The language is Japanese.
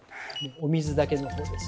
お水だけのほうです。